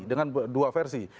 dengan dua versi